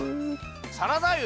サラダ油。